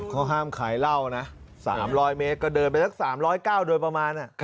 เขาห้ามขายเหล้านะ๓๐๐เมตรก็เดินไปสัก๓๐๙โดยประมาณ